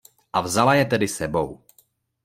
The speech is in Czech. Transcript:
A vzala je tedy s sebou.